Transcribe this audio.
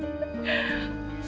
kayaknya udah selesai